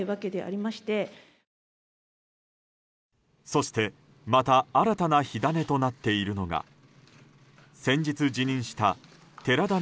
そしてまた新たな火種となっているのが先日辞任した寺田稔